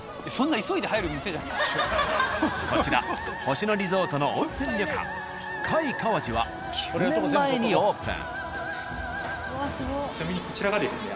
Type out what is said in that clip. こちら星野リゾートの温泉旅館「界川治」は９年前にオープン。